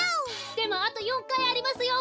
でもあと４かいありますよ！